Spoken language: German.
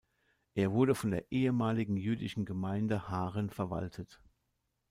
Er wurde von der ehemaligen jüdischen Gemeinde Haaren verwaltet.